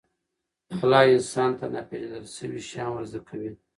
الله انسان ته ناپېژندل شوي شیان ورزده کوي.